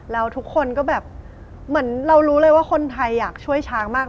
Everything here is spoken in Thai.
แล้วทุกคนก็แบบเหมือนเรารู้เลยว่าคนไทยอยากช่วยช้างมาก